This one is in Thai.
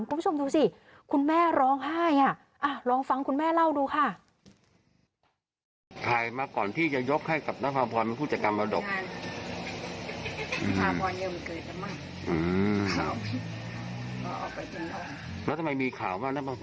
คุณผู้ชมดูสิคุณแม่ร้องไห้อ่ะลองฟังคุณแม่เล่าดูค่ะ